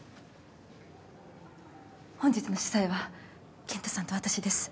本日の主催は健太さんと私です。